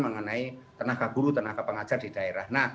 mengenai tenaga guru tenaga pengajar di daerah